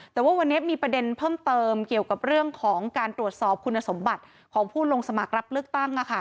แต่ว่าวันนี้มีประเด็นเพิ่มเติมเกี่ยวกับเรื่องของการตรวจสอบคุณสมบัติของผู้ลงสมัครรับเลือกตั้ง